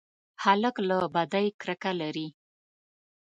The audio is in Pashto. هلک له بدۍ کرکه لري.